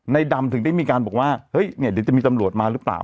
ดำถึงได้มีการบอกว่าเฮ้ยเนี่ยเดี๋ยวจะมีตำรวจมาหรือเปล่า